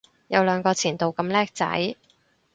有兩個前度咁叻仔